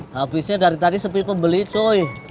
habisnya dari tadi sepi pembeli cui